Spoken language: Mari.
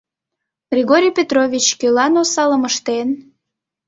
Григорий Петрович кӧлан осалым ыштен?